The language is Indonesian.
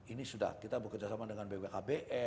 ini sudah kita bekerja sama dengan bwkbe